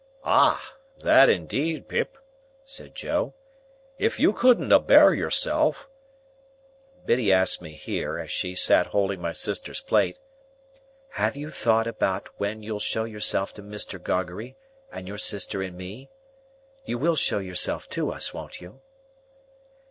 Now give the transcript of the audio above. "Ah, that indeed, Pip!" said Joe. "If you couldn't abear yourself—" Biddy asked me here, as she sat holding my sister's plate, "Have you thought about when you'll show yourself to Mr. Gargery, and your sister and me? You will show yourself to us; won't you?"